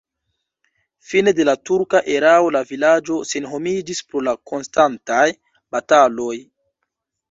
Fine de la turka erao la vilaĝo senhomiĝis pro la konstantaj bataloj.